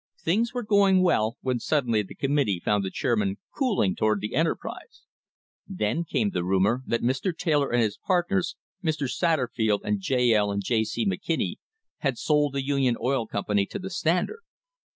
Things were going well, when suddenly the com mittee found the chairman cooling toward the enterprise. Then came the rumour that Mr. Taylor and his partners Mr. Satterfield and J. L. and J. C. McKinney had sold the Union Oil Company to the Standard.